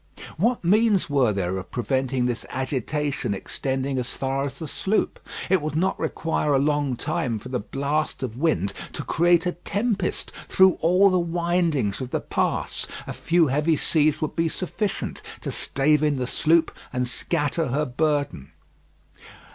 What means were there of preventing this agitation extending as far as the sloop? It would not require a long time for the blast of wind to create a tempest through all the windings of the pass. A few heavy seas would be sufficient to stave in the sloop and scatter her burden.